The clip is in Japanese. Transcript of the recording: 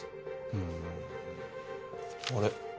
うん。あれ？